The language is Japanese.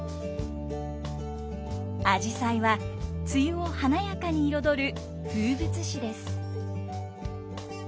あじさいは梅雨を華やかに彩る風物詩です。